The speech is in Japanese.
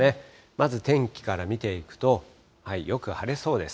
まず天気から見ていくと、よく晴れそうです。